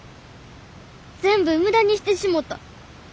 全部無駄にしてしもた。